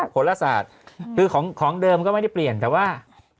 ผลอาสาแหงคือของค่องเดิมก็ไม่ได้เปลี่ยนแต่ว่า